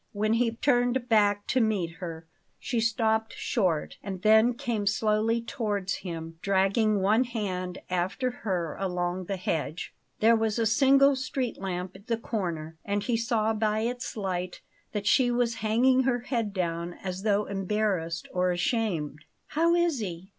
When he turned back to meet her she stopped short, and then came slowly towards him, dragging one hand after her along the hedge. There was a single street lamp at the corner, and he saw by its light that she was hanging her head down as though embarrassed or ashamed. "How is he?"